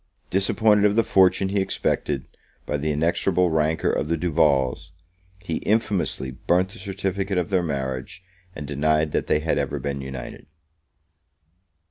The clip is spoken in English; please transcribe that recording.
Disappointed of the fortune he expected, by the inexorable rancour of the Duvals, he infamously burnt the certificate of their marriage, and denied that they had ever been united.